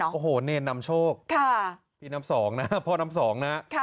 โอ้โหเนรนำโชคพี่น้ำสองนะพ่อน้ำสองนะ